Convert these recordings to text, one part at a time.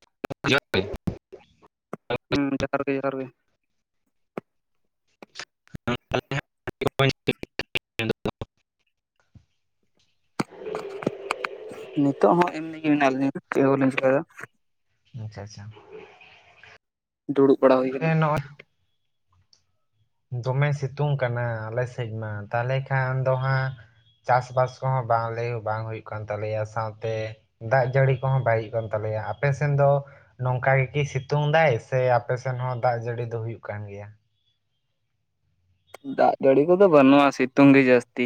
[unintelligible] ᱦᱩᱸ ᱡᱚᱦᱟᱨ ᱜᱮ ᱡᱚᱦᱟᱨ ᱜᱮ᱾ ᱱᱤᱛᱚᱜ ᱦᱚᱸ ᱮᱢᱱᱤ ᱜᱮ ᱢᱮᱱᱟᱜ ᱞᱤᱧᱟ ᱪᱮᱫ ᱦᱚᱸ ᱵᱟᱞᱤᱧ ᱪᱮᱠᱟᱭᱮᱫᱟ᱾ ᱟᱪᱪᱷᱟ ᱟᱪᱪᱷᱟ᱾ ᱫᱩᱲᱩᱵ ᱵᱟᱲᱟ ᱦᱩᱭ ᱟᱠᱟᱱᱟ᱾ ᱮ ᱱᱚᱜᱼᱚᱭ ᱫᱚᱢᱮ ᱥᱤᱛᱩᱝ ᱠᱟᱱᱟ ᱟᱞᱮ ᱥᱮᱫ ᱢᱟ ᱛᱟᱦᱚᱞᱮ ᱠᱷᱟᱱ ᱫᱚ ᱦᱟᱸᱜ ᱪᱟᱥᱵᱟᱥ ᱠᱚᱦᱚᱸ ᱵᱟᱝ ᱞᱟᱹᱭᱟᱹᱜ ᱵᱟᱝ ᱦᱩᱭᱩᱜ ᱠᱟᱱ ᱛᱟᱞᱮᱭᱟ ᱥᱟᱶᱛᱮ ᱫᱟᱜ ᱡᱟᱹᱲᱤ ᱠᱚᱦᱚᱸ ᱵᱟᱭ ᱦᱩᱭᱩᱜ ᱠᱟᱱ ᱛᱟᱞᱮᱭᱟ ᱟᱯᱮ ᱥᱮᱱ ᱫᱚ ᱱᱚᱝᱠᱟ ᱜᱮᱠᱤ ᱥᱤᱛᱩᱝ ᱫᱟᱭ ᱥᱮ ᱟᱯᱮᱥᱮᱱ ᱦᱚᱸ ᱫᱟᱜ ᱡᱟᱹᱲᱤ ᱫᱚ ᱦᱩᱭᱩᱜ ᱠᱟᱱ ᱜᱮᱭᱟ᱾ ᱫᱟᱜ ᱡᱟᱹᱲᱤ ᱠᱚᱫᱚ ᱵᱟᱹᱱᱩᱜᱼᱟ ᱥᱤᱛᱩᱝ ᱜᱮ ᱡᱟᱹᱥᱛᱤ᱾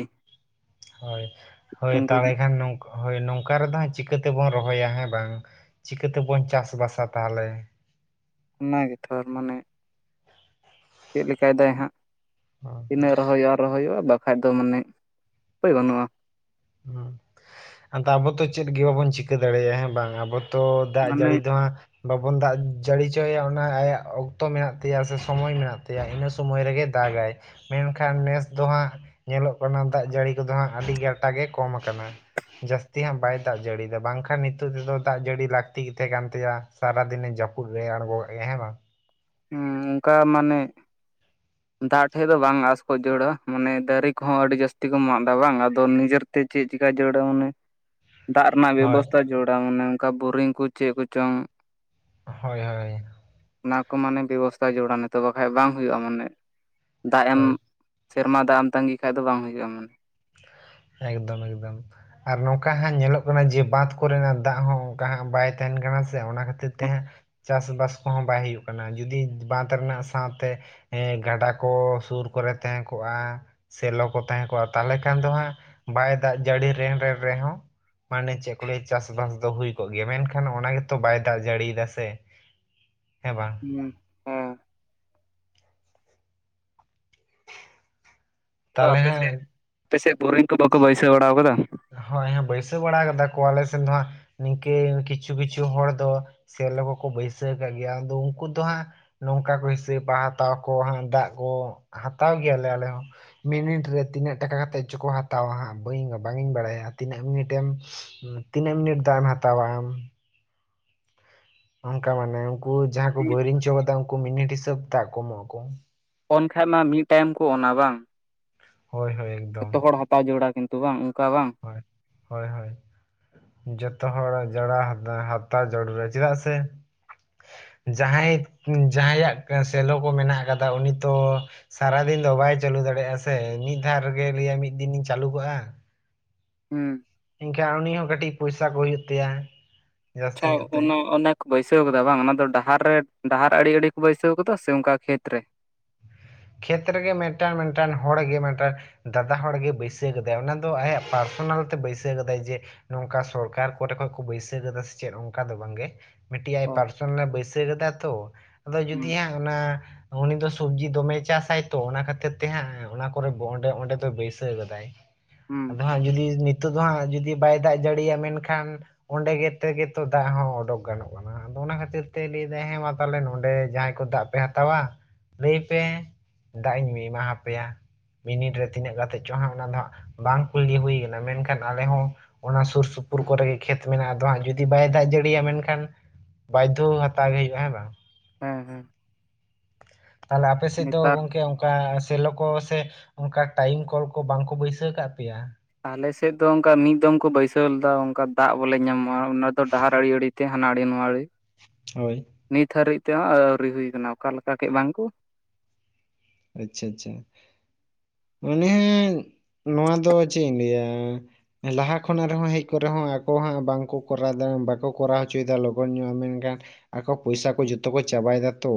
ᱦᱳᱭ ᱦᱳᱭ ᱥᱤᱛᱩᱝ ᱨᱮᱜᱮ [unintelligible] ᱦᱳᱭ ᱱᱚᱝᱠᱟ ᱨᱮᱫᱚ ᱦᱟᱸᱜ ᱪᱤᱠᱟᱹ ᱛᱮᱵᱚᱱ ᱨᱚᱦᱚᱭᱟ ᱦᱮᱸ ᱵᱟᱝ ᱪᱤᱠᱟᱹ ᱛᱮᱵᱚᱱ ᱪᱟᱥᱵᱟᱥᱟ ᱛᱟᱦᱚᱞᱮ ᱚᱱᱟ ᱜᱮ ᱛᱷᱚ [unintelligible] ᱢᱟᱱᱮ ᱪᱮᱫ ᱞᱮᱠᱟ ᱫᱟᱭ ᱦᱟᱸᱜ ᱦᱩᱸ [unintelligible] ᱨᱚᱦᱚᱭ ᱦᱩᱭᱩᱜ-ᱟ ᱨᱚᱦᱚᱭ ᱦᱩᱭᱩᱜᱼᱟ ᱵᱟᱠᱷᱟᱡ ᱫᱚ ᱢᱟᱱᱮ ᱩᱯᱟᱹᱭ ᱵᱟᱹᱱᱩᱜᱼᱟ᱾ ᱟᱵᱚ ᱛᱚ ᱪᱮᱫ ᱜᱮ ᱵᱟᱵᱚᱱ ᱪᱤᱠᱟᱹ ᱫᱟᱲᱮᱭᱟᱜᱼᱟ ᱦᱮᱸ ᱵᱟᱝ ᱟᱵᱚ ᱛᱚ ᱫᱟᱜ ᱢᱟᱱᱮ ᱡᱟᱹᱲᱤ ᱛᱮᱢᱟ ᱵᱟᱵᱚᱱ ᱫᱟᱜ ᱡᱟᱹᱲᱤ ᱦᱚᱪᱚᱭᱮᱭᱟ ᱚᱱᱟ ᱟᱭᱟᱜ ᱚᱠᱛᱚ ᱢᱮᱱᱟᱜ ᱛᱟᱭᱟ ᱥᱮ ᱥᱚᱢᱚᱭ ᱢᱮᱱᱟᱜ ᱛᱟᱭᱟ ᱤᱱᱟᱹ ᱥᱚᱢᱚᱭ ᱨᱮᱜᱮ ᱫᱟᱜᱟᱭ ᱢᱮᱱᱠᱷᱟᱱ ᱱᱮᱥ ᱫᱚ ᱦᱟᱸᱜ ᱧᱮᱞᱚᱜ ᱠᱟᱱᱟ ᱫᱟᱜ ᱡᱟᱹᱲᱤ ᱠᱚᱫᱚ ᱦᱟᱸᱜ ᱟᱹᱰᱤᱜᱟᱱ᱾ ᱴᱟ ᱜᱮ ᱠᱚᱢ ᱟᱠᱟᱱᱟ᱾ ᱡᱟᱹᱥᱛᱤ ᱦᱟᱸᱜ ᱵᱟᱭ ᱫᱟᱜ ᱡᱟᱹᱲᱤᱭᱮᱫᱟ ᱵᱟᱝᱠᱷᱟᱱ ᱱᱤᱛᱚᱜ ᱛᱮᱫᱚ ᱫᱟᱜ ᱡᱟᱹᱲᱤ ᱞᱟᱹᱠᱛᱤ ᱜᱮ ᱛᱟᱦᱮᱸ ᱠᱟᱱ ᱛᱟᱭᱟ᱾ ᱥᱟᱨᱟᱫᱤᱱᱮ ᱡᱟᱹᱯᱩᱫ ᱨᱮ ᱟᱬᱜᱚ [unintelligible] ᱦᱮᱸ ᱚᱱᱠᱟ ᱢᱟᱱᱮ ᱫᱟᱜ ᱴᱷᱮᱡ ᱫᱚ ᱵᱟᱝ ᱟᱸᱥ ᱠᱚ ᱡᱟᱹᱲᱟ ᱢᱟᱱᱮ ᱫᱟᱹᱨᱤ ᱠᱚᱦᱚᱸ ᱟᱹᱰᱤ ᱡᱟᱹᱥᱛᱤ ᱠᱚ ᱢᱟᱜ ᱮᱫᱟ ᱵᱟᱝ ᱟᱫᱚ ᱱᱤᱡᱮᱨ ᱛᱮ ᱪᱮᱫ ᱪᱤᱠᱟ ᱡᱟᱹᱨᱩᱲᱟ ᱢᱚᱱᱮ ᱫᱟᱜ ᱨᱮᱱᱟᱜ ᱦᱳᱭ ᱵᱮᱵᱚᱥᱛᱷᱟ ᱡᱚᱲᱟ ᱢᱟᱱᱮ ᱚᱱᱠᱟ ᱵᱳᱨᱤᱝ ᱠᱚ ᱪᱮᱫ ᱠᱚᱪᱚᱝ ᱦᱳᱭ ᱦᱳᱭ ᱚᱱᱟ ᱢᱟᱱᱮ ᱵᱮᱵᱚᱥᱛᱷᱟ ᱡᱚᱲᱟ ᱱᱤᱛᱚᱜ ᱵᱟᱠᱷᱟᱡ ᱵᱟᱝ ᱦᱩᱭᱩᱜ-ᱟ ᱢᱟᱱᱮ ᱫᱟᱜ ᱮᱢ ᱦᱳᱭ ᱥᱮᱨᱢᱟ ᱫᱟᱜ ᱮᱢ ᱛᱟᱸᱜᱤ ᱠᱷᱟᱡ ᱫᱚ ᱵᱟᱝ ᱦᱩᱭᱩᱜ-ᱟ ᱢᱟᱱᱮ ᱮᱠᱫᱚᱢ ᱮᱠᱫᱚᱢ ᱟᱨ ᱱᱚᱝᱠᱟ ᱦᱟᱸᱜ ᱧᱮᱞᱚᱜ ᱠᱟᱱᱟ ᱡᱮ ᱵᱟᱸᱫᱷ ᱠᱚᱨᱮᱱᱟᱜ ᱫᱟᱜ ᱦᱚᱸ ᱚᱱᱠᱟ ᱦᱟᱸᱜ ᱵᱟᱭ ᱛᱟᱦᱮᱱ ᱠᱟᱱᱟ ᱥᱮ ᱚᱱᱟ ᱠᱷᱟᱹᱛᱤᱨ ᱛᱮ ᱦᱮᱸ ᱦᱟᱸᱜ ᱪᱟᱥᱵᱟᱥ ᱠᱚᱦᱚᱸ ᱵᱟᱭ ᱦᱩᱭᱩᱜ ᱠᱟᱱᱟ᱾ ᱡᱩᱫᱤ ᱵᱟᱸᱫᱽ ᱨᱮᱱᱟᱜ ᱥᱟᱶᱛᱮ ᱦᱮᱸ ᱜᱟᱰᱟ ᱠᱚ ᱥᱩᱨ ᱠᱚᱨᱮ ᱛᱟᱦᱮᱸ ᱠᱚᱜᱼᱟ ᱥᱮᱞᱳ ᱠᱚ ᱛᱟᱦᱮᱸ ᱠᱚᱜᱼᱟ᱾ᱛᱟᱦᱚᱞᱮ ᱠᱷᱟᱱ ᱫᱚ ᱦᱟᱸᱜ ᱵᱟᱭ ᱫᱟᱜ ᱡᱟᱹᱲᱤ ᱨᱮ ᱨᱮ ᱨᱮᱦᱚᱸ ᱢᱟᱱᱮ ᱪᱮᱫ ᱠᱚ ᱞᱟᱹᱭ ᱪᱟᱥᱵᱟᱥ ᱫᱚ ᱦᱩᱭ ᱠᱚᱜ ᱜᱮᱭᱟ᱾ ᱢᱮᱱᱠᱷᱟᱱ ᱚᱱᱟ ᱜᱮᱛᱚ ᱵᱟᱭ ᱫᱟᱜ ᱡᱟᱹᱲᱤᱭ ᱫᱟ ᱥᱮ ᱦᱮᱸ ᱵᱟᱝ ᱦᱩᱸ ᱛᱟᱦᱚᱞᱮ ᱦᱮᱸ ᱟᱯᱮᱥᱮᱫ ᱵᱳᱨᱤᱝ ᱠᱚ ᱵᱟᱠᱚ ᱵᱟᱹᱭᱥᱟᱹᱣ ᱵᱟᱲᱟ ᱟᱠᱟᱫᱟ ᱦᱳᱭ ᱵᱟᱹᱭᱥᱟᱹᱣ ᱵᱟᱲᱟ ᱠᱟᱫᱟ ᱠᱚ, ᱟᱞᱮ ᱥᱮᱱ ᱫᱚ ᱦᱟᱸᱜ ᱱᱤᱝᱠᱟᱹ ᱠᱤᱪᱷᱩ ᱠᱤᱪᱷᱩ ᱦᱚᱲ ᱫᱚ ᱥᱮᱞᱳ ᱠᱚ ᱠᱚ ᱵᱟᱹᱭᱥᱟᱹᱣ ᱠᱟᱜ ᱜᱮᱭᱟ ᱟᱫᱚ ᱩᱱᱠᱩ ᱫᱚ ᱦᱟᱸᱜ ᱱᱚᱝᱠᱟ ᱠᱚ ᱦᱤᱥᱟᱹᱵᱟ ᱦᱟᱛᱟᱣ ᱠᱚ ᱫᱟᱜ ᱠᱚ ᱦᱟᱛᱟᱣ ᱜᱮᱭᱟᱞᱮ ᱟᱞᱮ ᱦᱚᱸ ᱢᱤᱱᱤᱴ ᱨᱮ ᱛᱤᱱᱟᱹᱜ ᱴᱟᱠᱟ ᱠᱟᱛᱮᱫ ᱪᱚᱠᱚ ᱦᱟᱛᱟᱣᱟ ᱦᱟᱸᱜ ᱵᱟᱹᱧ ᱵᱟᱝ ᱤᱧ ᱵᱟᱲᱟᱭᱟ ᱛᱤᱱᱟᱹᱜ ᱢᱤᱱᱤᱴᱮᱢ, ᱛᱤᱱᱟᱹᱜ ᱢᱤᱱᱤᱴ ᱫᱟᱜ ᱮᱢ ᱦᱟᱛᱟᱣᱟ ᱟᱢ ᱚᱱᱠᱟ ᱢᱟᱱᱮ ᱩᱱᱠᱩ ᱡᱟᱦᱟᱸᱭ ᱠᱚ ᱵᱳᱭᱨᱤᱝ ᱚᱪᱚ ᱠᱟᱫᱟ ᱩᱱᱠᱩ ᱢᱤᱱᱤᱴ ᱦᱤᱥᱟᱹᱵ ᱛᱮ ᱫᱟᱜ ᱠᱚ ᱮᱢᱚᱜ ᱟᱠᱚ᱾ ᱚᱱ ᱠᱷᱟᱱ ᱢᱟ ᱢᱤᱫ ᱴᱟᱭᱤᱢ ᱠᱚ ᱱᱟ ᱵᱟᱝ? ᱦᱳᱭ ᱦᱳᱭ ᱮᱠᱫᱚᱢ ᱡᱚᱛᱚ ᱦᱚᱲ ᱦᱟᱛᱟᱣ ᱡᱟᱹᱨᱩᱲᱟ ᱠᱤᱱᱛᱩ ᱵᱟᱝ ᱚᱱᱠᱟ ᱵᱟᱝ ᱦᱳᱭ, ᱦᱳᱭ ᱦᱳᱭ ᱡᱚᱛᱚ ᱦᱚᱲ ᱡᱚᱲᱟ ᱦᱟᱛᱟ, ᱦᱟᱛᱟᱣ ᱡᱟᱹᱨᱩᱲᱟ᱾ ᱪᱮᱫᱟᱜ ᱥᱮ? ᱡᱟᱦᱟᱸᱭ ᱡᱟᱦᱟᱸᱭᱟᱜ ᱥᱮᱞᱚ ᱠᱚ ᱢᱮᱱᱟᱜ ᱠᱟᱫᱟ ᱩᱱᱤ ᱛᱚ ᱥᱟᱨᱟᱫᱤᱱ ᱫᱚ ᱵᱟᱭ ᱪᱟᱹᱞᱩ ᱫᱟᱲᱮᱭᱟᱜ-ᱟ ᱥᱮ ᱢᱤᱫ ᱫᱷᱟᱣ ᱨᱮᱜᱮ ᱞᱟᱹᱭᱟ ᱢᱤᱫ ᱫᱤᱱᱤᱧ ᱪᱟᱹᱞᱩ ᱠᱟᱜ-ᱟ᱾ ᱦᱩᱸ ᱮᱱᱠᱷᱟᱱ ᱩᱱᱤ ᱦᱚᱸ ᱠᱟᱹᱴᱤᱡ ᱯᱚᱭᱥᱟ ᱠᱚ ᱦᱩᱭᱩᱜ ᱛᱟᱭᱟ᱾ ᱡᱟᱹᱥᱛᱤ ᱪᱷᱟᱣ᱾ ᱧᱚᱜ ᱛᱮ ᱚᱱᱟ ᱚᱱᱮᱠ ᱵᱟᱹᱭᱥᱟᱹᱣ ᱠᱟᱫᱟ ᱵᱟᱝ, ᱚᱱᱟ ᱫᱚ ᱰᱟᱦᱟᱨ ᱨᱮ ᱰᱟᱦᱟᱨ ᱟᱹᱲᱤ ᱟᱹᱲᱤ ᱠᱚ ᱵᱟᱹᱭᱥᱟᱹᱣ ᱠᱟᱫᱟ ᱥᱮ ᱚᱱᱠᱟ ᱠᱷᱮᱛ ᱨᱮ ᱠᱷᱮᱛ ᱨᱮᱜᱮ ᱢᱤᱫᱴᱟᱱ ᱢᱤᱫᱴᱟᱱ ᱦᱚᱲᱜᱮ ᱢᱤᱫᱴᱟᱱ ᱫᱟᱫᱟ ᱦᱚᱲᱜᱮ ᱵᱟᱹᱭᱥᱟᱹᱣ ᱠᱟᱫᱟᱭ᱾ᱚᱱᱟ ᱫᱚ ᱟᱭᱟᱜ ᱯᱟᱨᱥᱚᱱᱟᱞ ᱛᱮ ᱵᱟᱹᱭᱥᱟᱹᱣ ᱠᱟᱫᱟᱭ ᱡᱮ ᱱᱚᱝᱠᱟ ᱥᱚᱨᱠᱟᱨ ᱠᱚᱨᱮ ᱠᱷᱚᱱ ᱠᱚ ᱵᱟᱹᱭᱥᱟᱹᱣ ᱠᱟᱫᱟ ᱥᱮ ᱪᱮᱫ ᱚᱱᱠᱟ ᱫᱚ ᱵᱟᱝᱜᱮ ᱢᱤᱫᱴᱤᱡ ᱟᱡ ᱚ ᱯᱟᱨᱥᱚᱱᱟᱞ ᱵᱟᱹᱭᱥᱟᱹᱣ ᱠᱟᱫᱟ ᱛᱚ᱾ ᱟᱫᱚ ᱦᱩᱸ ᱡᱩᱫᱤ ᱦᱟᱸᱜ ᱚᱱᱟ ᱩᱱᱤ ᱫᱚ ᱥᱚᱵᱽᱡᱤ ᱫᱚᱢᱮ ᱪᱟᱥᱟᱭ ᱛᱚ᱾ ᱚᱱᱟ ᱠᱷᱟᱹᱛᱤᱨ ᱛᱮ ᱦᱟᱸᱜ ᱚᱱᱟ ᱠᱚᱨᱮ ᱚᱸᱰᱮ ᱚᱸᱰᱮ ᱫᱚ ᱵᱟᱹᱭᱥᱟᱹᱣ ᱠᱟᱫᱟᱭ ᱦᱩᱸ ᱟᱫᱚ ᱦᱟᱸᱜ ᱡᱩᱫᱤ ᱱᱤᱛᱳᱜ ᱫᱚ ᱦᱟᱸᱜ ᱡᱩᱫᱤ ᱵᱟᱭ ᱫᱟᱜ ᱡᱟᱹᱲᱤᱭ ᱢᱮᱱᱠᱷᱟᱱ ᱚᱸᱰᱮ ᱜᱮ ᱛᱮᱜᱮ ᱛᱚ ᱫᱟᱜ ᱦᱚᱸ ᱚᱰᱚᱠ ᱜᱟᱱᱚᱜ ᱠᱟᱱᱟ᱾ ᱟᱫᱚ ᱚᱱᱟ ᱠᱷᱟᱹᱛᱤᱨ ᱛᱮ ᱞᱟᱹᱭᱫᱟᱭ ᱦᱮᱸ ᱢᱟ ᱛᱟᱦᱚᱞᱮ ᱱᱚᱰᱮ ᱡᱟᱦᱟᱸᱭ ᱠᱚ ᱫᱟᱜ ᱯᱮ ᱦᱟᱛᱟᱣᱟ ᱞᱟᱹᱭ ᱯᱮ᱾ ᱫᱟᱜ ᱤᱧ ᱮᱢᱟᱯᱮᱭᱟ ᱢᱤᱱᱤᱴ ᱨᱮ ᱛᱤᱱᱟᱹᱜ ᱠᱟᱛᱮ ᱪᱚᱝ ᱦᱟᱸᱜ ᱚᱱᱟ ᱫᱚ ᱵᱟᱝ ᱠᱩᱞᱤ ᱦᱩᱭ ᱠᱟᱱᱟ᱾ ᱢᱮᱱᱠᱷᱟᱱ ᱟᱞᱮ ᱦᱚᱸ ᱚᱱᱟ ᱥᱩᱨ ᱥᱩᱯᱩᱨ ᱠᱚᱨᱮ ᱜᱮ ᱠᱷᱮᱛ ᱢᱮᱱᱟᱜ-ᱟ᱾ ᱟᱫᱚ ᱦᱟᱸᱜ ᱡᱩᱫᱤ ᱵᱟᱭ ᱫᱟᱜ ᱡᱟᱹᱲᱤᱭᱟ ᱢᱮᱱᱠᱷᱟᱱ ᱵᱟᱭᱫᱷᱚ ᱦᱟᱛᱟᱣ ᱜᱮ ᱦᱩᱭᱩᱜ-ᱟ᱾ᱦᱮᱸ ᱵᱟᱝ ᱦᱮᱸ ᱦᱩᱸ ᱛᱟᱦᱚᱞᱮ ᱟᱯᱮ ᱥᱮᱫ ᱫᱚ ᱱᱮᱛᱟᱨ ᱜᱚᱢᱠᱮ ᱚᱱᱠᱟ ᱥᱮᱞᱚ ᱠᱚ ᱥᱮ ᱚᱱᱠᱟ ᱴᱟᱭᱤᱢ ᱠᱚᱞ ᱠᱚ ᱵᱟᱝ ᱠᱚ ᱵᱟᱹᱭᱥᱟᱹᱣ ᱟᱠᱟᱫ ᱯᱮᱭᱟ ᱟᱞᱮᱥᱮᱫ ᱫᱚ ᱚᱱᱠᱟ ᱢᱤᱫ ᱫᱚᱢ ᱠᱚ ᱵᱟᱹᱭᱥᱟᱹᱣ ᱞᱮᱫᱟ, ᱚᱱᱠᱟ ᱫᱟᱜ ᱵᱚᱞᱮ ᱧᱟᱢᱚᱜᱟ ᱚᱱᱟ ᱫᱚ ᱰᱟᱦᱟᱨ ᱟᱲᱤ ᱟᱲᱤ ᱛᱮ᱾ ᱦᱟᱱᱟ ᱟᱹᱲᱤ, ᱱᱚᱣᱟ ᱟᱹᱲᱤ ᱦᱳᱭ᱾ ᱱᱤᱛ ᱦᱟᱹᱨᱤᱡ ᱛᱮᱦᱚᱸ ᱟᱹᱣᱨᱤ ᱦᱩᱭ ᱠᱟᱱᱟ᱾ ᱚᱠᱟ ᱞᱮᱠᱟ ᱠᱮ ᱵᱟᱝᱠᱩ? ᱟᱪᱪᱷᱟ ᱟᱪᱪᱷᱟ, ᱚᱱᱮ ᱱᱚᱣᱟ ᱫᱚ ᱪᱮᱫ ᱤᱧ ᱞᱟᱹᱭᱟ? ᱞᱟᱦᱟ ᱠᱷᱚᱱᱟᱜ ᱨᱮᱦᱚᱸ ᱦᱮᱡ ᱠᱚᱨᱮ ᱦᱚᱸ ᱟᱠᱚ ᱦᱟᱸᱜ ᱵᱟᱝᱠᱚ ᱠᱚᱨᱟᱣ ᱫᱟ᱾ᱵᱟᱠᱚ ᱠᱚᱨᱟᱣ ᱦᱚᱪᱚᱭ ᱫᱟ ᱞᱚᱜᱚᱱ ᱧᱚᱜ ᱢᱮᱱᱠᱷᱟᱱ ᱟᱠᱚ ᱯᱚᱭᱥᱟ ᱠᱚ ᱡᱚᱛᱚ ᱠᱚ ᱪᱟᱵᱟᱭ ᱫᱟ ᱛᱚ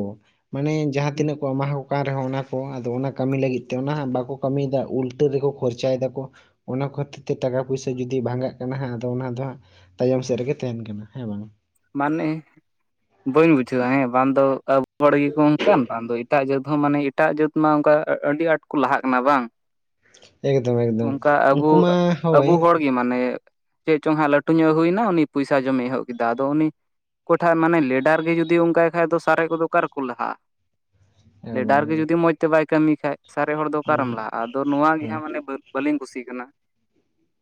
ᱢᱟᱱᱮ ᱡᱟᱦᱟᱸ ᱦᱩᱸ ᱛᱤᱱᱟᱹᱜ ᱠᱚ ᱮᱢᱟᱣ ᱠᱚ ᱠᱟᱱ ᱨᱮᱦᱚᱸ ᱚᱱᱟ ᱦᱚᱸ ᱟᱫᱚ ᱚᱱᱟ ᱠᱟᱹᱢᱤ ᱞᱟᱹᱜᱤᱫ ᱛᱮ ᱚᱱᱟ ᱦᱟᱸᱜ ᱵᱟᱠᱚ ᱠᱟᱹᱢᱤᱭ ᱫᱟ ᱩᱞᱴᱟᱹ ᱨᱮᱠᱚ ᱠᱷᱚᱨᱪᱟᱭ ᱫᱟᱠᱚ᱾ ᱚᱱᱟ ᱠᱷᱟᱹᱛᱤᱨ ᱛᱮ ᱴᱟᱠᱟ ᱯᱚᱭᱥᱟ ᱡᱩᱫᱤ ᱵᱷᱟᱸᱜᱟᱜ ᱠᱟᱱᱟ ᱦᱟᱸᱜ ᱟᱫᱚ ᱚᱱᱟ ᱫᱚ ᱦᱟᱸᱜ ᱛᱟᱭᱚᱢ ᱥᱮᱫ ᱨᱮᱜᱮ ᱛᱟᱦᱮᱱ ᱠᱟᱱᱟ᱾ ᱦᱮᱸ ᱵᱟᱝ? ᱢᱟᱱᱮ, ᱵᱟᱹᱧ ᱵᱩᱡᱷᱟᱹᱣᱼᱟ ᱦᱮᱸ ᱵᱟᱝᱫᱚ ᱟᱵᱚ ᱦᱚᱲ ᱜᱮᱠᱚ ᱚᱝᱠᱟᱱ ᱵᱟᱝ ᱫᱚ ᱮᱴᱟᱜ ᱡᱟᱹᱛ ᱦᱚᱸ ᱢᱟᱱᱮ ᱮᱴᱟᱜ ᱡᱟᱹᱛ ᱢᱟ ᱛᱚ ᱚᱱᱠᱟ ᱟᱹᱰᱤ ᱟᱸᱴ ᱠᱚ ᱞᱟᱦᱟᱜ ᱠᱟᱱᱟ ᱵᱟᱝ? ᱮᱠᱫᱚᱢ ᱮᱠᱫᱚᱢ ᱩᱱᱠᱩ ᱢᱟ ᱦᱳᱭ ᱪᱤᱫ ᱢᱟᱱᱮ ᱪᱮᱫ ᱪᱚᱝ ᱦᱟᱸᱜ ᱞᱟᱹᱴᱩ ᱧᱚᱜ ᱦᱩᱭᱮᱱᱟ ᱩᱱᱤ ᱯᱚᱭᱥᱟ ᱡᱚᱢᱮ ᱮᱦᱚᱵ ᱠᱮᱫᱟ ᱫᱚ ᱩᱱᱤ ᱚᱠᱚᱭᱴᱷᱟᱜ ᱢᱟᱱᱮ ᱞᱮᱰᱟᱨ ᱜᱮ ᱡᱩᱫᱤ ᱩᱝᱠᱟᱭ ᱠᱷᱟᱡ ᱫᱚ ᱥᱟᱨᱮᱡ ᱠᱚᱫᱚ ᱚᱠᱟᱨᱮᱠᱚ ᱞᱟᱦᱟᱜᱼᱟ᱾ ᱮᱠᱫᱚᱢ ᱞᱮᱰᱟᱨ ᱜᱮ ᱮᱠᱫᱚᱢ ᱦᱩᱸ ᱡᱩᱫᱤ ᱢᱚᱸᱡ ᱛᱮ ᱵᱟᱭ ᱠᱟᱹᱢᱤᱭ ᱠᱷᱟᱡ ᱥᱟᱨᱮ ᱦᱚᱲ ᱫᱚ ᱚᱠᱟᱨᱮᱢ ᱞᱟᱦᱟᱜᱼᱟ? ᱟᱫᱚ ᱱᱚᱣᱟ ᱜᱮ ᱦᱳᱭ ᱦᱟᱸᱜ ᱢᱟᱱᱮ ᱵᱟᱹᱲ ᱵᱟᱹᱞᱤᱧ ᱠᱩᱥᱤᱜ ᱠᱟᱱᱟ,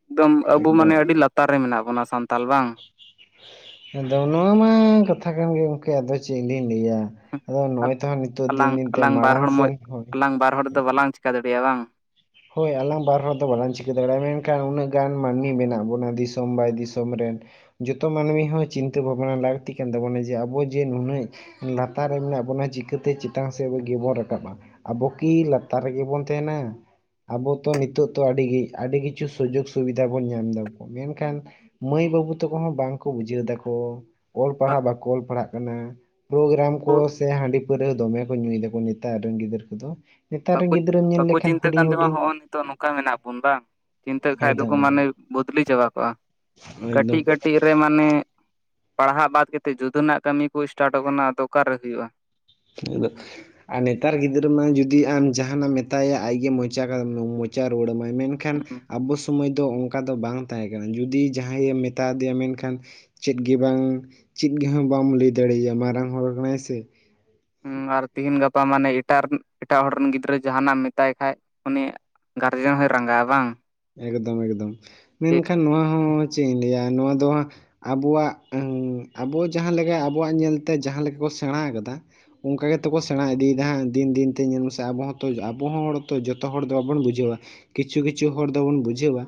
ᱮᱠᱫᱚᱢ ᱟᱵᱩ ᱮᱠᱫᱚᱢ ᱢᱟᱱᱮ ᱟᱹᱰᱤ ᱞᱟᱛᱟᱨ ᱨᱮ ᱢᱮᱱᱟᱜ ᱵᱚᱱᱟ ᱥᱟᱱᱛᱟᱞ ᱵᱟᱝ? ᱟᱫᱚ ᱱᱚᱣᱟ ᱢᱟ ᱠᱟᱛᱷᱟ ᱠᱟᱱ ᱜᱮ ᱜᱚᱝᱠᱮ ᱟᱫᱚ ᱪᱮᱫ ᱞᱤᱧ ᱞᱟᱹᱭᱟ᱾ ᱟᱫᱚ ᱱᱚᱜᱼᱚᱭ ᱛᱚ ᱦᱟᱸᱜ ᱱᱤᱛᱚᱜ ᱟᱞᱟᱝ ᱫᱤᱱ ᱫᱤᱱ ᱛᱮ ᱟᱞᱟᱝ ᱵᱟᱨ ᱢᱟᱲᱟᱝ ᱦᱚᱲ ᱢᱚᱡ ᱥᱮᱱ ᱦᱳᱭ ᱟᱞᱟᱝ ᱵᱟᱨ ᱦᱚᱲ ᱫᱚ ᱵᱟᱞᱟᱝ ᱪᱤᱠᱟ ᱫᱟᱲᱮᱭᱟᱜᱼᱟ ᱵᱟᱝ? ᱦᱳᱭ ᱟᱞᱟᱝ ᱵᱟᱨ ᱦᱚᱲ ᱫᱚ ᱵᱟᱞᱟᱝ ᱪᱤᱠᱟᱹ ᱫᱟᱲᱮᱭᱟᱜᱼᱟ ᱢᱮᱱᱠᱷᱟᱱ ᱩᱱᱟᱹᱜ ᱜᱟᱱ ᱢᱟᱹᱱᱢᱤ ᱢᱮᱱᱟᱜ ᱵᱚᱱᱟ ᱫᱤᱥᱚᱢ ᱵᱟᱭ ᱫᱤᱥᱚᱢ ᱨᱮᱱ᱾ ᱡᱚᱛᱚ ᱢᱟᱹᱱᱢᱤ ᱦᱚᱸ ᱪᱤᱱᱛᱟᱹ ᱵᱷᱟᱵᱱᱟ ᱞᱟᱹᱠᱛᱤ ᱠᱟᱱ ᱛᱟᱵᱚᱱᱟ ᱡᱮ ᱟᱵᱚ ᱡᱮ ᱱᱩᱱᱟᱹᱜ ᱞᱟᱛᱟᱨ ᱨᱮ ᱢᱮᱱᱟᱜ ᱵᱚᱱᱟ ᱪᱤᱠᱟᱹᱛᱮ ᱪᱮᱛᱟᱱ ᱥᱮᱫ ᱜᱮᱵᱚᱱ ᱨᱟᱠᱟᱯᱟ? ᱟᱵᱚ ᱠᱤ ᱞᱟᱛᱟᱨ ᱨᱮᱜᱮ ᱵᱚᱱ ᱛᱮᱦᱮᱱᱟ? ᱟᱵᱚ ᱛᱚ ᱱᱤᱛᱚᱜ ᱛᱚ ᱟᱹᱰᱤ ᱜᱤ ᱟᱹᱰᱤ ᱠᱤᱪᱷᱩ ᱥᱩᱡᱳᱜ ᱥᱩᱵᱤᱫᱷᱟ ᱵᱚᱱ ᱧᱟᱢ ᱫᱟ ᱢᱮᱱᱠᱷᱟᱱ ᱢᱟᱹᱭ ᱵᱟᱹᱵᱩ ᱛᱟᱠᱚ ᱦᱚᱸ ᱵᱟᱝᱠᱚ ᱵᱩᱡᱷᱟᱹᱣ ᱫᱟᱠᱚ, ᱚᱞ ᱵᱟᱝ ᱯᱟᱲᱦᱟᱜ ᱵᱟᱠᱚ ᱚᱞ ᱯᱟᱲᱦᱟᱜ ᱠᱟᱱᱟ᱾ ᱯᱳᱜᱨᱟᱢ ᱠᱚ ᱥᱮ ᱦᱟᱺᱰᱤ ᱯᱟᱹᱨᱟᱹ ᱦᱚ ᱫᱚᱢᱮ ᱠᱚ ᱧᱩᱭ ᱫᱟᱠᱚ ᱱᱤᱛᱟᱨ ᱨᱮᱱ ᱜᱤᱫᱽᱨᱟᱹ ᱠᱚᱫᱚ᱾ ᱱᱮᱛᱟᱨ ᱨᱮᱱ ᱵᱟᱠᱚ ᱜᱤᱫᱽᱨᱟᱹᱢ ᱧᱮᱞ ᱵᱟᱠᱚ ᱞᱮᱠᱷᱟᱱ ᱪᱤᱱᱛᱟᱹᱜ ᱠᱟᱱ ᱦᱩᱰᱤᱧ ᱛᱮᱢᱟ ᱦᱩᱰᱤᱧ᱾ ᱦᱚᱸᱜᱼᱚ ᱱᱤᱛᱚᱜ ᱱᱚᱠᱟ ᱢᱮᱱᱟᱜ ᱵᱚᱱ ᱵᱟᱝ᱾ ᱪᱤᱱᱛᱟᱹᱜ ᱠᱷᱟᱡ ᱮᱠᱫᱚᱢ ᱫᱚᱠᱚ ᱢᱟᱱᱮ ᱮᱠᱫᱚᱢ ᱵᱚᱫᱞᱤ ᱪᱟᱵᱟ ᱠᱚᱜᱼᱟ ᱮᱠᱫᱚᱢ ᱠᱟᱹᱴᱤᱡ ᱠᱟᱹᱴᱤᱡ ᱨᱮ ᱢᱟᱱᱮ ᱯᱟᱲᱦᱟᱜ ᱵᱟᱫ ᱠᱟᱛᱮᱫ ᱡᱩᱫᱟᱹᱱᱟᱜ ᱠᱟᱹᱢᱤ ᱠᱩ ᱤᱥᱴᱟᱴᱚ ᱠᱟᱱᱟ ᱟᱫᱚ ᱚᱠᱟᱨᱮ ᱦᱩᱭᱩᱜᱼᱟ᱾ ᱟᱫᱚ ᱟᱨ ᱱᱮᱛᱟᱨ ᱜᱤᱫᱽᱨᱟᱹ ᱢᱟ ᱡᱩᱫᱤ ᱟᱢ ᱡᱟᱦᱟᱱᱟᱢ ᱢᱮᱛᱟᱭᱟ ᱟᱡᱜᱮ ᱢᱚᱪᱟ ᱠᱟᱫᱟᱢ ᱢᱚᱪ ᱪᱟ ᱨᱩᱣᱟᱹᱲ ᱟᱢᱟᱭ ᱢᱮᱱᱠᱷᱟᱱ ᱟᱵᱚ ᱥᱩᱢᱟᱹᱭ ᱫᱚ ᱚ ᱚᱱᱠᱟ ᱫᱚ ᱵᱟᱝ ᱛᱟᱦᱮᱸ ᱠᱟᱱᱟ ᱡᱩᱫᱤ ᱡᱟᱦᱟᱸᱭ ᱮᱢ ᱢᱮᱛᱟ ᱫᱤᱭᱟ ᱢᱮᱱᱠᱷᱟᱱ ᱪᱮᱫ ᱜᱤ ᱵᱟᱝ, ᱪᱤᱫ ᱜᱮ ᱦᱚ ᱵᱟᱢ ᱞᱟᱹᱭ ᱫᱟᱲᱮᱭᱟᱭᱟ ᱢᱟᱨᱟᱝ ᱦᱚᱲ ᱠᱟᱱᱟᱭ ᱥᱮ᱾ ᱦᱩᱸ ᱟᱨ ᱛᱤᱦᱤᱱ ᱜᱟᱯᱟ ᱢᱟᱱᱮ ᱤᱴᱟᱨᱱ ᱮᱴᱟᱜ ᱦᱚᱲ ᱨᱮᱱ ᱜᱤᱫᱽᱨᱟᱹ ᱡᱟᱦᱟᱱᱟᱜ ᱮᱢ ᱢᱮᱛᱟᱭ ᱠᱷᱟᱡ ᱩᱱᱤ ᱜᱟᱨᱡᱮᱱ ᱦᱚᱭ ᱨᱟᱸᱜᱟᱜᱼᱟ ᱵᱟᱝ? ᱮᱠᱫᱚᱢ ᱮᱠᱫᱚᱢ, ᱪᱮᱫ ᱢᱮᱱᱠᱷᱟᱱ ᱱᱚᱣᱟ ᱦᱚᱸ ᱪᱮᱫ ᱤᱧ ᱞᱟᱹᱭᱟ ᱱᱚᱣᱟ ᱫᱚ ᱦᱟᱸᱜ ᱟᱵᱩᱣᱟᱜ, ᱟᱵᱚ ᱡᱟᱦᱟᱸ ᱞᱮᱠᱟ ᱟᱵᱩᱣᱟᱜ ᱧᱮᱞᱛᱮ ᱡᱟᱦᱟᱸ ᱞᱮᱠᱟ ᱠᱚ ᱥᱮᱬᱟ ᱠᱟᱫᱟ᱾ ᱚᱱᱠᱟ ᱜᱮᱛᱚ ᱠᱚ ᱥᱮᱬᱟ ᱤᱫᱤᱭᱮᱫᱟ ᱦᱟᱸᱝ ᱫᱤᱱ ᱫᱤᱱᱛᱮ ᱧᱮᱞ ᱢᱮᱥᱮ ᱟᱵᱚ ᱦᱚᱸᱛᱚ ᱟᱵᱚᱦᱚ ᱦᱚᱲ ᱛᱚ ᱡᱚᱛᱚ ᱦᱚᱲ ᱫᱚ ᱵᱟᱵᱚᱱ ᱵᱩᱡᱷᱟᱹᱣᱼᱟ᱾ ᱠᱤᱪᱷᱩ ᱠᱤᱪᱷᱩ ᱦᱚᱲ ᱫᱚᱵᱚᱱ ᱵᱩᱡᱷᱟᱹᱣᱼᱟ,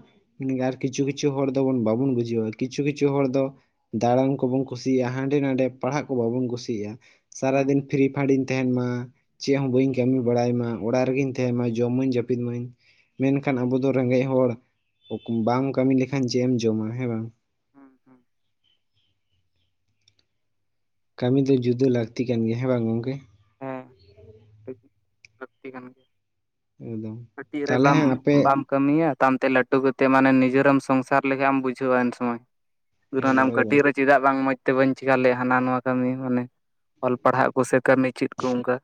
ᱟᱨ ᱠᱤᱪᱷᱩ ᱠᱤᱪᱷᱩ ᱦᱚᱲ ᱫᱚᱵᱚᱱ ᱵᱟᱵᱚᱱ ᱵᱩᱡᱷᱟᱹᱣᱼᱟ ᱠᱤᱪᱷᱩ ᱠᱤᱪᱷᱩ ᱦᱚᱲ ᱫᱚ ᱫᱟᱬᱟᱱ ᱠᱚᱵᱚᱱ ᱠᱩᱥᱤᱭᱟᱜᱼᱟ ᱦᱟᱸᱰᱮ ᱱᱟᱸᱰᱮ ᱯᱟᱲᱦᱟᱜ ᱠᱚ ᱵᱟᱵᱚᱱ ᱠᱩᱥᱤᱭᱟᱜᱼᱟ ᱥᱟᱨᱟ ᱦᱩᱸ ᱫᱤᱱ ᱯᱷᱨᱤ ᱯᱷᱟᱰᱤᱧ ᱛᱮᱦᱮᱱ ᱢᱟ, ᱪᱮᱫ ᱦᱚᱸ ᱵᱟᱹᱧ ᱠᱟᱹᱢᱤ ᱵᱟᱲᱟᱭ ᱢᱟ ᱚᱲᱟᱜ ᱨᱮᱜᱤᱧ ᱛᱟᱦᱮᱱ ᱢᱟ ᱡᱚᱢ ᱟᱹᱧ ᱡᱟᱹᱯᱤᱫ ᱢᱟᱹᱧ᱾ ᱢᱮᱱᱠᱷᱟᱱ ᱟᱵᱚ ᱫᱚ ᱨᱮᱸᱜᱮᱡ ᱦᱚᱲ, ᱵᱟᱢ ᱠᱟᱹᱢᱤ ᱞᱮᱠᱷᱟᱱ ᱪᱮᱫ ᱮᱢ ᱡᱚᱢᱟ ᱦᱮᱸ ᱵᱟᱝ? ᱦᱩᱸ ᱦᱩᱸ ᱠᱟᱹᱢᱤ ᱫᱚ ᱡᱩᱫᱟᱹ ᱞᱟᱹᱠᱛᱤ ᱠᱟᱱ ᱜᱮᱭᱟ ᱦᱮᱸ ᱵᱟᱝ ᱜᱚᱝᱠᱮ? ᱦᱮᱸ ᱞᱟᱹᱠᱛᱤ ᱠᱟᱱᱟ, ᱮᱠᱫᱚᱢ ᱠᱟᱹᱴᱤᱡ ᱨᱮ ᱛᱟᱦᱚᱞᱮ ᱵᱟᱢ ᱦᱟᱸᱜ ᱟᱯᱮ ᱵᱟᱢ ᱠᱟᱹᱢᱤᱭᱟ ᱛᱟᱢᱛᱮ ᱞᱟᱹᱴᱩ ᱠᱟᱛᱮᱫ ᱢᱟᱱᱮ ᱱᱤᱡᱮᱨᱮᱢ ᱥᱚᱝᱥᱟᱨ ᱞᱮᱠᱷᱟᱢ ᱮᱢ ᱵᱩᱡᱷᱟᱹᱣᱼᱟ ᱮᱱ ᱥᱚᱢᱚᱭ᱾ ᱦᱮᱸ [unintelligible] ᱫᱚᱦᱚᱭ ᱫᱟᱹᱧ ᱠᱟᱹᱴᱤᱡ ᱨᱮ ᱪᱮᱫᱟᱜ ᱵᱟᱝ ᱢᱚᱡ ᱛᱮ ᱵᱟᱹᱧ ᱪᱤᱠᱟ ᱞᱮᱫ ᱦᱟᱱᱟ ᱱᱚᱣᱟ ᱠᱟᱹᱢᱤ ᱢᱟᱱᱮ ᱚᱞ ᱯᱟᱲᱦᱟᱜ ᱠᱚ ᱥᱮ ᱠᱟᱹᱢᱤ ᱪᱤᱫ ᱠᱩ ᱩᱝᱠᱟ᱾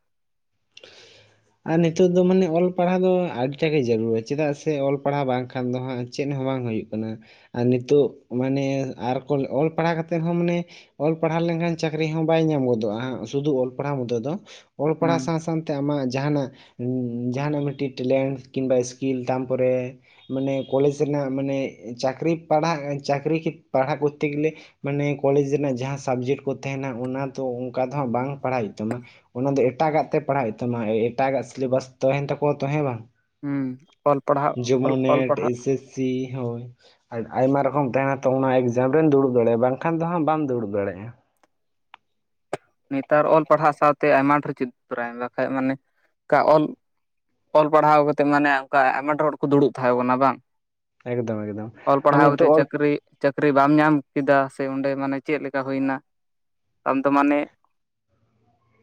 ᱟᱨ ᱱᱤᱛᱚᱜ ᱫᱚ ᱢᱟᱱᱮ ᱚᱞ ᱯᱟᱲᱦᱟᱜ ᱫᱚ ᱟᱹᱰᱤᱴᱟ ᱜᱮ ᱡᱟᱹᱨᱩᱲᱟ ᱪᱮᱫᱟᱜ ᱥᱮ ᱚᱞ ᱯᱟᱲᱦᱟᱜ ᱵᱟᱝᱠᱷᱟᱱ ᱫᱚ ᱦᱟᱸᱜ ᱪᱮᱫ ᱦᱚᱸ ᱵᱟᱝ ᱦᱩᱭᱩᱜ ᱠᱟᱱᱟ ᱟᱨ ᱱᱤᱛᱚᱜ ᱢᱟᱱᱮ ᱟᱨᱠᱚ ᱚᱞ ᱯᱟᱲᱦᱟᱣ ᱠᱟᱛᱮᱫ ᱨᱮᱦᱚᱸ ᱢᱟᱱᱮ ᱚᱞ ᱯᱟᱲᱦᱟᱣ ᱞᱮᱱᱠᱷᱟᱱ ᱪᱟᱹᱠᱨᱤ ᱦᱚᱸ ᱵᱟᱭ ᱧᱟᱢ ᱜᱚᱫᱚᱜᱼᱟ ᱦᱟᱸᱜ ᱥᱩᱫᱩ ᱚᱞ ᱯᱟᱲᱦᱟᱣ ᱢᱚᱛᱳ ᱫᱚ ᱚᱞ ᱯᱟᱲᱦᱟ ᱦᱩᱸ ᱥᱟᱝ ᱥᱟᱝ ᱛᱮ ᱟᱢᱟᱜ ᱡᱟᱦᱟᱱᱟᱜ ᱡᱟᱦᱟᱱᱟᱜ ᱢᱤᱫᱴᱤᱡ ᱴᱮᱞᱮᱱᱴ ᱠᱤᱢᱵᱟ ᱥᱠᱤᱞ ᱛᱟᱢᱯᱚᱨᱮ ᱢᱟᱱᱮ ᱠᱚᱞᱮᱡᱽ ᱥᱮᱱᱟᱜ ᱢᱟᱱᱮ ᱪᱟᱹᱠᱨᱤ ᱯᱟᱲᱦᱟᱜ ᱪᱟᱹᱠᱨᱤ ᱯᱟᱲᱦᱟᱜ ᱠᱚᱨ ᱛᱮ ᱜᱮ ᱞᱮ ᱢᱟᱱᱮ ᱠᱚᱞᱮᱡᱽ ᱨᱮᱱᱟᱜ ᱡᱟᱦᱟᱸ ᱥᱟᱵᱡᱮᱴ ᱠᱚ ᱛᱟᱦᱮᱱᱟ ᱚᱱᱟ ᱫᱚ ᱚᱝᱠᱟ ᱫᱚ ᱦᱟᱸᱜ ᱵᱟᱝ ᱯᱟᱲᱦᱟᱜ ᱦᱩᱭᱩᱜ ᱛᱟᱢᱟ ᱚᱱᱟ ᱫᱚ ᱮᱴᱟᱜ ᱜᱟᱜ ᱛᱮ ᱯᱟᱲᱦᱟᱜ ᱦᱩᱭᱩᱜ ᱛᱟᱢᱟ ᱮᱴᱟᱜ ᱜᱟᱜ ᱥᱤᱞᱮᱵᱟᱥ ᱛᱟᱦᱮᱱ ᱛᱟᱠᱚᱣᱟ ᱛᱚ ᱦᱮᱸ ᱵᱟᱝ ᱦᱩᱸ ᱚᱞ ᱯᱟᱲᱦᱟᱜ ᱡᱮᱢᱚᱱ ᱚᱞ ᱱᱮᱴ ᱯᱟᱲᱦᱟᱜ [unintelligible] ᱟᱭᱢᱟ ᱨᱚᱠᱚᱢ ᱛᱟᱦᱮᱱᱟ ᱛᱚ ᱚᱱᱟ ᱮᱠᱡᱟᱢ ᱨᱮᱢ ᱫᱩᱲᱩᱵ ᱫᱟᱲᱮᱭᱟᱜᱼᱟ ᱵᱟᱝᱠᱷᱟᱱ ᱫᱚ ᱦᱟᱸᱜ ᱵᱟᱢ ᱫᱩᱲᱩᱵ ᱫᱟᱲᱮᱭᱟᱜᱼᱟ ᱱᱮᱛᱟᱨ ᱚᱞ ᱯᱟᱲᱦᱟᱜ ᱥᱟᱶ ᱛᱮ ᱟᱭᱢᱟ ᱪᱮᱫ ᱛᱚᱨᱟᱭ ᱢᱮ ᱵᱟᱠᱷᱟᱡ ᱢᱟᱱᱮ ᱚᱱᱠᱟ ᱚᱞ ᱚᱞ ᱯᱟᱲᱦᱟᱣ ᱠᱟᱛᱮᱜ ᱢᱟᱱᱮ ᱚᱱᱠᱟ ᱟᱭᱢᱟ ᱰᱷᱮᱨ ᱦᱚᱲ ᱠᱚ ᱫᱩᱲᱩᱵ ᱛᱟᱦᱮᱸ ᱠᱟᱱᱟ ᱵᱟᱝ ᱮᱠᱫᱚᱢ ᱮᱠᱫᱚᱢ ᱚᱞ ᱟᱨ ᱯᱟᱲᱦᱟᱣ ᱠᱟᱛᱮ ᱱᱤᱛᱚᱜ ᱚᱞ ᱪᱟᱹᱠᱨᱤ ᱪᱟᱹᱠᱨᱤ ᱵᱟᱢ ᱧᱟᱢ ᱠᱮᱫᱟ ᱥᱮ ᱚᱸᱰᱮ ᱢᱟᱱᱮ ᱪᱮᱫ ᱞᱮᱠᱟ ᱦᱩᱭ ᱱᱟ, ᱟᱢ ᱫᱚ ᱢᱟᱱᱮ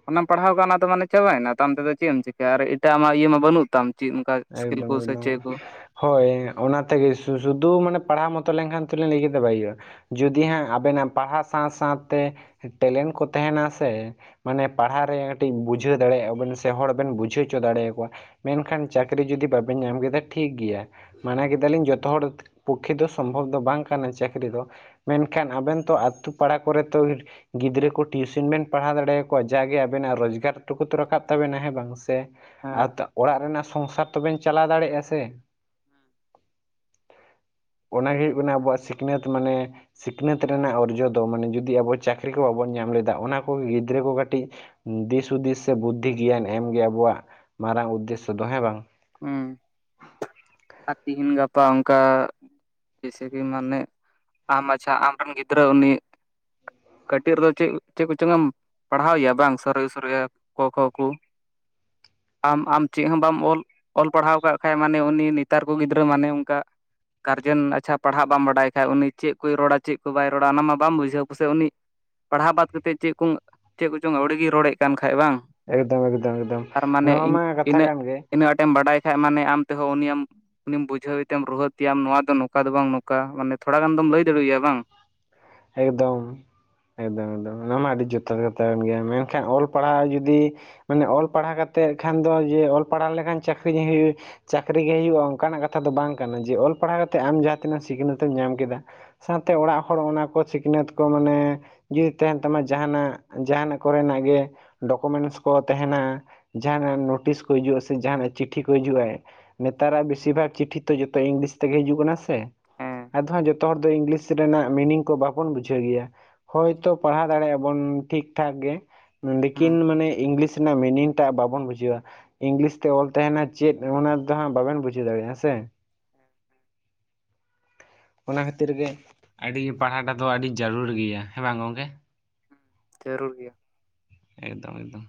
ᱚᱱᱟᱢ ᱯᱟᱲᱦᱟᱣ ᱚᱱᱟ ᱫᱚ ᱢᱟᱱᱮ ᱪᱟᱵᱟᱭ ᱮᱱᱟ ᱛᱟᱢ ᱛᱚᱵᱮ ᱪᱮᱫ ᱮᱢ ᱪᱤᱠᱟᱹᱭᱟ ᱟᱨ ᱮᱴᱟᱜ ᱟᱜᱢᱟ ᱤᱭᱟᱹ ᱢᱟ ᱵᱟᱹᱱᱩᱜ ᱛᱟᱢ ᱪᱤᱫ ᱚᱱᱠᱟ ᱤᱥᱠᱤᱞ ᱮᱠᱫᱚᱢ ᱠᱚ ᱥᱮ ᱮᱠᱫᱚᱢ ᱪᱮᱫ ᱠᱚ ᱦᱳᱭ ᱚᱱᱟ ᱛᱮᱜᱮ ᱥᱩ ᱥᱩᱫᱷᱩ ᱢᱟᱱᱮ ᱯᱟᱲᱦᱟᱣ ᱢᱚᱛᱚ ᱞᱮᱱᱠᱷᱟᱱ [unintelligible] ᱵᱟᱭ ᱦᱩᱭᱩᱜᱼᱟ ᱡᱩᱫᱤ ᱦᱟᱸᱜ ᱟᱵᱮᱱᱟᱜ ᱯᱟᱲᱦᱟᱣ ᱥᱟᱶ ᱥᱟᱶ ᱛᱮ ᱴᱮᱞᱮᱱᱴ ᱠᱚ ᱛᱟᱦᱮᱱᱟ ᱥᱮ ᱢᱟᱱᱮ ᱯᱟᱲᱦᱟᱜ ᱨᱮ ᱠᱟᱹᱴᱤᱡ ᱵᱩᱡᱷᱟᱹᱣ ᱫᱟᱲᱮᱭᱟᱜᱼᱟ ᱵᱮᱱ ᱥᱮ ᱦᱚᱲ ᱵᱮᱱ ᱵᱩᱡᱷᱟᱹᱣ ᱦᱚᱪᱚ ᱫᱟᱲᱮᱭ ᱟᱠᱚᱣᱟ ᱢᱮᱱᱠᱷᱟᱱ ᱪᱟᱹᱠᱨᱤ ᱡᱩᱫᱤ ᱵᱟᱵᱮᱱ ᱧᱟᱢ ᱠᱮᱫᱟ ᱴᱷᱤᱠ ᱜᱮᱭᱟ ᱢᱟᱱᱟ ᱠᱮᱫᱟ ᱞᱤᱧ ᱡᱚᱛᱚ ᱦᱚᱲ ᱯᱚᱠᱠᱷᱮ ᱫᱚ ᱥᱚᱢᱵᱷᱚᱵ ᱫᱚ ᱵᱟᱝ ᱠᱟᱱᱟ ᱪᱟᱹᱠᱨᱤ ᱫᱚ ᱢᱮᱱᱠᱷᱟᱱ ᱟᱵᱮᱱ ᱛᱚ ᱟᱹᱛᱳ ᱯᱟᱲᱟ ᱠᱚᱨᱮ ᱛᱚ ᱜᱤᱫᱽᱨᱟᱹ ᱠᱚ ᱴᱤᱭᱩᱥᱚᱱ ᱵᱮᱱ ᱯᱟᱲᱦᱟᱣ ᱫᱟᱲᱮ ᱟᱠᱚᱣᱟ ᱡᱟᱜᱮ ᱟᱵᱮᱱᱟᱜ ᱨᱚᱡᱽᱜᱟᱨ ᱴᱩᱠᱩ ᱛᱚ ᱨᱟᱠᱟᱵ ᱛᱟᱵᱮᱱᱟ ᱦᱮᱸ ᱵᱟᱝ ᱥᱮ ᱥᱮ ᱦᱮᱸ ᱟᱫᱟ ᱚᱲᱟᱜ ᱨᱮᱱᱟᱜ ᱥᱚᱝᱥᱟᱨ ᱛᱚᱵᱮᱱ ᱪᱟᱞᱟᱣ ᱫᱟᱲᱮᱭᱟᱜᱼᱟ ᱥᱮ [unintelligible] ᱚᱱᱟ ᱜᱮ ᱦᱩᱭᱩᱜ ᱠᱟᱱᱟ ᱟᱵᱚᱣᱟᱜ ᱥᱤᱠᱷᱱᱟᱹᱛ ᱢᱟᱱᱮ ᱥᱤᱠᱷᱱᱟᱹᱛ ᱨᱮᱱᱟᱜ ᱚᱨᱡᱚ ᱫᱚ ᱢᱟᱱᱮ ᱡᱩᱫᱤ ᱟᱵᱚ ᱪᱟᱹᱠᱨᱤ ᱠᱚ ᱵᱟᱵᱚᱱ ᱧᱟᱢ ᱞᱮᱫᱟ ᱚᱱᱟ ᱠᱚᱜᱮ ᱜᱤᱫᱽᱨᱟᱹ ᱠᱚ ᱠᱟᱹᱴᱤᱡ ᱫᱤᱥᱼᱦᱩᱫᱤᱥ ᱥᱮ ᱵᱩᱫᱽᱫᱷᱤ ᱜᱮᱭᱟᱱ ᱮᱢ ᱜᱮ ᱟᱵᱚᱣᱟᱜ ᱢᱟᱨᱟᱝ ᱩᱫᱽᱫᱮᱥ ᱥᱚ ᱫᱚ ᱦᱮᱸ ᱵᱟᱝ [unintelligible] ᱟᱨ ᱛᱤᱦᱤᱧ ᱜᱟᱯᱟ ᱚᱝᱠᱟ ᱡᱮᱥᱮ ‌ᱠᱤ ᱢᱟᱱᱮ ᱟᱢ ᱟᱪᱪᱷᱟ ᱟᱢ ᱨᱮᱱ ᱜᱤᱫᱽᱨᱟᱹ ᱩᱱᱤ ᱠᱟᱹᱴᱤᱡ ᱨᱮ ᱫᱚ ᱪᱮᱫ ᱠᱚᱪᱚᱝ ᱯᱟᱲᱦᱟᱣ ᱮᱭᱟ ᱵᱟᱝ [unintelligible] ᱠᱚ ᱠᱷᱚ ᱠᱩ ᱟᱢ ᱟᱢ ᱪᱮᱫ ᱦᱚᱸ ᱵᱟᱢ ᱚᱞ ᱚᱞ ᱯᱟᱲᱦᱟᱣ ᱠᱟᱜ ᱠᱷᱟᱡ ᱢᱟᱱᱮ ᱩᱱᱤ ᱱᱤᱛ ᱧᱮᱛᱟᱨ ᱠᱚ ᱜᱤᱫᱽᱨᱟᱹ ᱢᱟᱱᱮ ᱚᱝᱠᱟ ᱜᱟᱨᱡᱟᱱ ᱟᱪᱪᱷᱟ ᱯᱟᱲᱦᱟᱜ ᱵᱟᱢ ᱵᱟᱰᱟᱭ ᱠᱷᱟᱡ ᱩᱱᱤ ᱪᱮᱫ ᱠᱚᱭ ᱨᱚᱲᱟ ᱪᱮᱫ ᱠᱚ ᱵᱟᱭ ᱨᱚᱲᱟ ᱚᱱᱟ ᱢᱟ ᱵᱟᱢ ᱵᱩᱡᱷᱟᱹᱣ ᱯᱟᱥᱮᱡ ᱩᱱᱤ ᱯᱟᱲᱦᱟᱣ ᱵᱟᱫᱽ ᱠᱟᱛᱮᱫ ᱪᱮᱫ ᱠᱚ ᱪᱮᱫ ᱠᱚᱪᱚᱝ ᱟᱹᱣᱲᱤ ᱜᱮ ᱨᱚᱲ ᱮᱫ ᱠᱟᱱ ᱠᱷᱟᱡ ᱵᱟᱝ ᱮᱠᱫᱚᱢ ᱮᱠᱫᱚᱢ ᱮᱠᱫᱚᱢ ᱟᱨ ᱢᱟᱱᱮ ᱱᱚᱣᱟ ᱢᱟ ᱠᱟᱛᱷᱟ ᱤᱧ ᱠᱟᱱ ᱜᱮ ᱤᱱᱟᱹᱜ ᱟᱸᱴᱮᱢ ᱵᱟᱰᱟᱭ ᱠᱷᱟᱡ ᱢᱟᱱᱮ ᱟᱢ ᱛᱮᱦᱚᱸ ᱩᱱᱤ ᱮᱢ ᱩᱱᱤᱢ ᱵᱩᱡᱷᱟᱹᱣ ᱮᱛᱮᱢ ᱨᱩᱦᱮᱫ ᱮᱭᱟᱢ ᱱᱚᱣᱟ ᱫᱚ ᱱᱚᱝᱠᱟ ᱫᱚ ᱵᱟᱝ ᱱᱚᱝᱠᱟ ᱢᱟᱱᱮ ᱛᱷᱚᱲᱟ ᱜᱟᱱ ᱫᱚᱢ ᱞᱟᱹᱭ ᱫᱟᱲᱮ ᱣᱟᱭᱟ ᱵᱟᱝ ᱮᱠᱫᱚᱢ ᱮᱠᱫᱚᱢ ᱮᱠᱫᱚᱢ ᱚᱱᱟ ᱢᱟ ᱟᱹᱰᱤ ᱡᱚᱛᱷᱟᱛ ᱠᱟᱛᱷᱟ ᱠᱟᱱ ᱜᱮᱭᱟ ᱢᱮᱱᱠᱷᱟᱱ ᱚᱞ ᱯᱟᱲᱦᱟᱣ ᱡᱩᱫᱤ ᱢᱟᱱᱮ ᱚᱞ ᱯᱟᱲᱦᱟᱣ ᱠᱟᱛᱮᱜ ᱠᱷᱟᱱ ᱫᱚ ᱡᱮ ᱚᱞ ᱯᱟᱲᱦᱟᱣ ᱞᱮᱠᱷᱟᱱ ᱪᱟᱹᱠᱨᱤ [unintelligible] ᱦᱩᱭᱩᱭᱩᱜ ᱪᱟᱹᱠᱨᱤ ᱜᱮ ᱦᱩᱭᱩᱜᱼᱟ ᱚᱱᱠᱟᱱᱟᱜ ᱠᱟᱛᱷᱟ ᱫᱚ ᱵᱟᱝ ᱠᱟᱱᱟ ᱡᱮ ᱚᱞ ᱯᱟᱲᱦᱟᱣ ᱠᱟᱛᱮ ᱟᱢ ᱡᱟᱸᱦᱟ ᱛᱤᱱᱟᱹᱜ ᱥᱤᱠᱷᱱᱟᱹᱛ ᱛᱮᱢ ᱧᱟᱢ ᱠᱮᱫᱟ᱾ ᱥᱟᱶ ᱛᱮ ᱚᱲᱟᱜ ᱦᱚᱲ ᱚᱱᱟ ᱠᱚ ᱥᱤᱠᱷᱱᱟᱹᱛ ᱠᱚ ᱢᱟᱱᱮ ᱡᱩᱫᱤ ᱛᱟᱦᱮᱱ ᱛᱟᱢᱟ ᱡᱟᱦᱟᱱᱟᱜ ᱡᱟᱦᱟᱱᱟᱜ ᱠᱚᱨᱮ ᱱᱟᱜ ᱜᱮ ᱰᱚᱠᱳᱢᱮᱱᱴᱥ ᱠᱚ ᱛᱟᱦᱮᱱᱟ ᱡᱟᱦᱟᱸᱱᱟᱜ ᱱᱳᱴᱤᱥ ᱠᱚ ᱦᱤᱡᱩᱜᱼᱟ ᱥᱮ ᱡᱟᱦᱟᱸᱱᱟᱜ ᱪᱤᱴᱷᱤ ᱠᱚ ᱦᱤᱡᱩᱜᱼᱟᱭ ᱱᱮᱛᱟᱨ ᱟᱜ ᱵᱤᱥᱤ ᱵᱷᱟᱜᱽ ᱪᱤᱴᱷᱤ ᱛᱚ ᱡᱚᱛᱚ ᱤᱝᱞᱤᱥ ᱛᱮᱜᱮ ᱦᱤᱡᱩᱜ ᱠᱟᱱᱟ ᱥᱮ ᱦᱮᱸ ᱟᱫᱚ ᱦᱟᱸᱜ ᱡᱚᱛᱚ ᱦᱚᱲ ᱫᱚ ᱤᱝᱞᱤᱥ ᱨᱮᱱᱟᱜ ᱢᱤᱱᱤᱝ ᱠᱚ ᱵᱟᱵᱚᱱ ᱵᱩᱡᱷᱟᱹᱣ ᱜᱮᱭᱟ ᱦᱳᱭ ᱛᱚ ᱯᱟᱲᱦᱟᱣ ᱫᱟᱲᱮᱭᱟᱵᱚᱱ ᱴᱷᱤᱠ ᱴᱷᱟᱠ ᱜᱮ ᱞᱤᱠᱤᱱ ᱦᱮᱸ ᱢᱟᱱᱮ ᱤᱝᱞᱤᱥ ᱨᱮᱱᱟᱜ ᱢᱤᱱᱤᱝ ᱴᱟᱜ ᱵᱟᱵᱚᱱ ᱵᱩᱡᱷᱟᱹᱣᱟ ᱤᱝᱞᱤᱥ ᱛᱮ ᱚᱞ ᱛᱟᱦᱮᱱᱟ ᱪᱮᱫ ᱚᱱᱟ ᱫᱚ ᱦᱟᱸᱜ ᱵᱟᱵᱮᱱ ᱵᱩᱡᱷᱟᱹᱣ ᱫᱟᱲᱮᱭᱟᱜᱼᱟ ᱦᱮᱸ ᱥᱮ ᱚᱱᱟ ᱠᱷᱟᱹᱛᱤᱨ ᱜᱮ ᱟᱹᱰᱤᱯ ᱯᱟᱲᱦᱟᱜ ᱴᱟᱜ ᱫᱚ ᱟᱹᱰᱤ ᱡᱟᱹᱨᱩᱲ ᱜᱮᱭᱟ ᱦᱮᱸ ᱵᱟᱝ ᱜᱚᱝᱠᱮ ᱡᱟᱹᱨᱩᱲ ᱜᱮᱭᱟ ᱮᱠᱫᱚᱢ ᱮᱠᱫᱚᱢ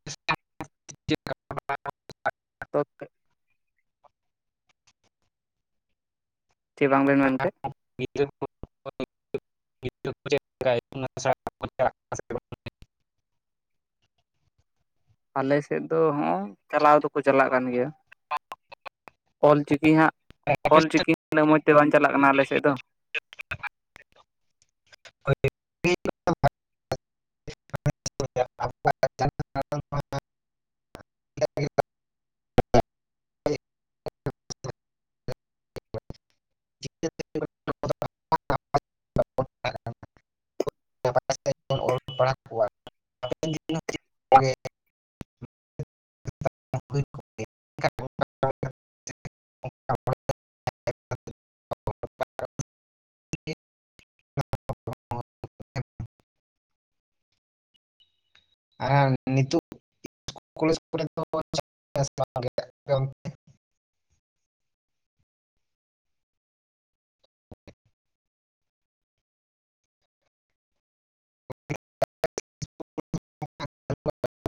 [unintelligible] [unintelligible] ᱪᱮᱫ ᱵᱟᱝ ᱵᱮᱱ ᱢᱮᱱᱠᱮ [unintelligible] ᱟᱞᱮ ᱥᱮᱫ ᱫᱚ ᱦᱚᱸ ᱪᱟᱞᱟᱣ ᱫᱚᱠᱚ ᱪᱟᱞᱟᱜ ᱠᱟᱱ ᱜᱮᱭᱟ᱾ ᱚᱞᱪᱤᱠᱤ ᱦᱟᱸᱜ ᱚᱞᱪᱤᱠᱤ ᱩᱱᱟᱹᱜ ᱢᱚᱡᱽ ᱛᱮ ᱵᱟᱝ ᱪᱟᱞᱟᱜ ᱠᱟᱱᱟ ᱟᱞᱮ ᱥᱮᱫ ᱫᱚ᱾ [inaudible] [unintelligible] [unintelligible] [unintelligible] [unintelligible] [unintelligible] ᱠᱚᱜᱼᱟ᱾ [unintelligible] [unintelligible]